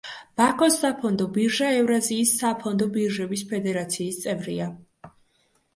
ბაქოს საფონდო ბირჟა ევრაზიის საფონდო ბირჟების ფედერაციის წევრია.